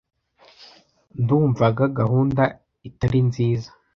Ndumvaga gahunda itari nziza.